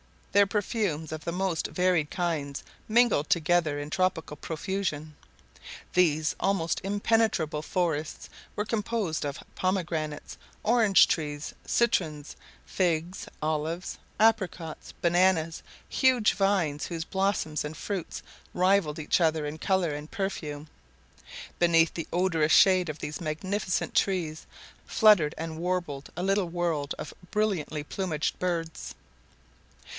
There perfumes of the most varied kinds mingled together in tropical profusion. These almost impenetrable forests were composed of pomegranates, orange trees, citrons, figs, olives, apricots, bananas, huge vines, whose blossoms and fruits rivaled each other in color and perfume. Beneath the odorous shade of these magnificent trees fluttered and warbled a little world of brilliantly plumaged birds.